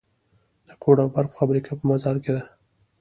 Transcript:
د کود او برق فابریکه په مزار کې ده